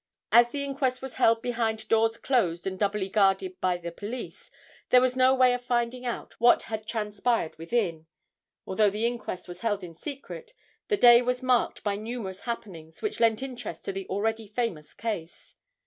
As the inquest was held behind doors closed and doubly guarded by the police, there was no way of finding out what had transpired within. Although the inquest was held in secret, the day was marked by numerous happenings which lent interest to the already famous case.